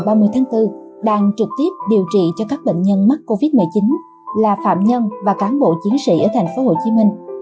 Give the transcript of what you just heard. ngày ba mươi tháng bốn đang trực tiếp điều trị cho các bệnh nhân mắc covid một mươi chín là phạm nhân và cán bộ chiến sĩ ở thành phố hồ chí minh